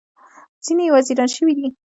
ځینې یې وزیران شوي دي.